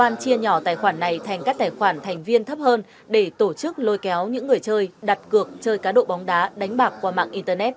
an chia nhỏ tài khoản này thành các tài khoản thành viên thấp hơn để tổ chức lôi kéo những người chơi đặt cược chơi cá độ bóng đá đánh bạc qua mạng internet